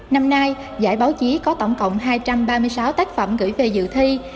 năm nay giải báo chí có tổng cộng hai trăm ba mươi sáu tác phẩm gửi về dự thi